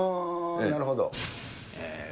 なるほど。